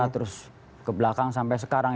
terus ke belakang sampai sekarang